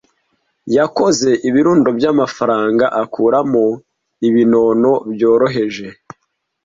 Yakoze ibirundo byamafaranga akuramo ibinono byoroheje.